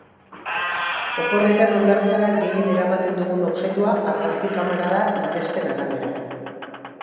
Oporretan hondartzara gehien eramaten dugun objektua argazki kamera da, inkestaren arabera.